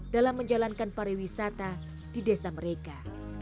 dalam menjalankan pariwisata di desa mereka